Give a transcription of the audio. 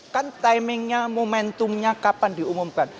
kan timingnya momentumnya kapan diumumkan